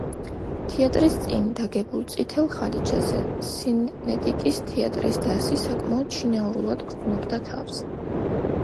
თეატრის წინ დაგებულ წითელ ხალიჩაზე სინეტიკის თეატრის დასი საკმაოდ შინაურულად გრძნობდა თავს.